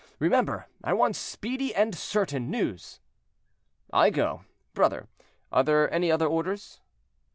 Remember, I want speedy and certain news." "I go, brother; are there any other orders?"